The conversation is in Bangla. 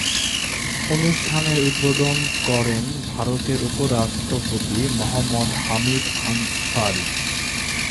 অনুষ্ঠানের উদ্বোধন করেন ভারতের উপ-রাষ্ট্রপতি মহম্মদ হামিদ আনসারি।